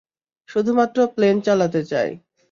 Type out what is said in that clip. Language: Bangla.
শুধুমাত্র প্লেন চালাতে চায়।